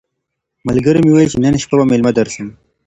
ملګري مي وویل چي نن شپه به مېلمه درسم.